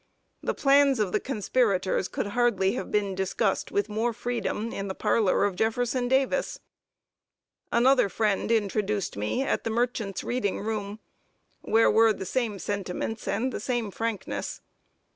The plans of the conspirators could hardly have been discussed with more freedom in the parlor of Jefferson Davis. Another friend introduced me at the Merchants' Reading room, where were the same sentiments and the same frankness.